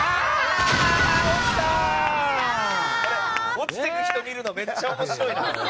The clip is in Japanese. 落ちてく人見るのめっちゃ面白いな。